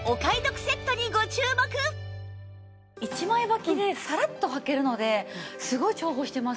一枚ばきでサラッとはけるのですごい重宝してます。